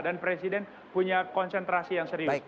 dan presiden punya konsentrasi yang serius